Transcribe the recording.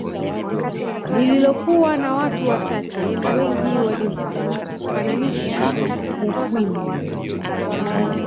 Lililokuwa na watu wachache na Wengi walimfananisha Mufwimi